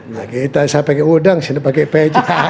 nah kita saya pakai udang sini pakai pecah ini